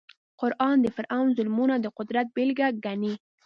قران د فرعون ظلمونه د قدرت بېلګه ګڼي.